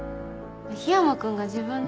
緋山君が自分で。